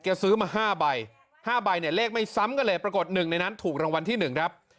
ซื้อมา๕ใบ๕ใบเนี่ยเลขไม่ซ้ำกันเลยปรากฏหนึ่งในนั้นถูกรางวัลที่๑ครับ